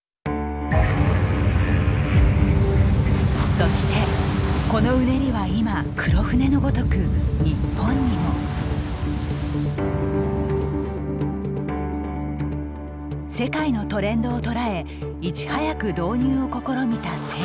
そしてこのうねりは今黒船のごとく日本にも。世界のトレンドを捉えいち早く導入を試みた生産者。